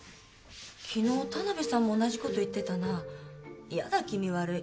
昨日田辺さんも同じこと言ってたな嫌だ気味悪い